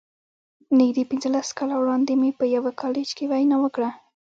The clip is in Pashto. نږدې پينځلس کاله وړاندې مې په يوه کالج کې وينا وکړه.